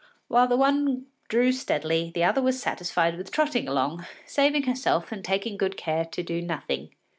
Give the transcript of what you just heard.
While the one drew steadily, the other was satisfied with trotting along, saving herself and taking good care to do nothing.